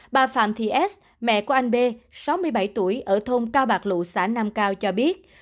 bà phạm thị s mẹ của anh b sáu mươi bảy tuổi ở thôn cao bạc lụ xã nam cao cho biết